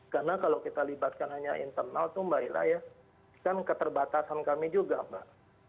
karena kalau kita libatkan hanya internal tuh mbak ila ya kan keterbatasan kami juga mbak